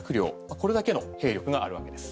これだけの兵力があるわけです。